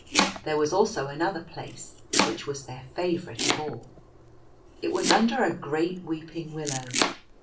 There was also another place, which was their favourite of all. It was under a great Weeping Willow.